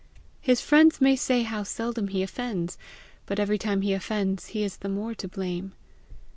His friends may say how seldom he offends; but every time he offends, he is the more to blame.